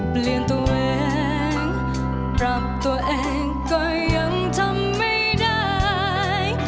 เปลี่ยนตัวเองปรับตัวเองก็ยังทำไม่ได้